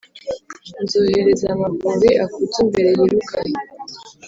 Nzohereza amavubi akujye imbere yirukane